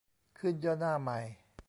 ขึ้นย่อหน้าใหม่